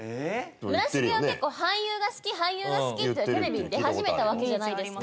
村重は結構「俳優が好き俳優が好き」でテレビに出始めたわけじゃないですか。